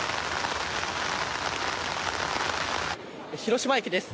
広島駅です。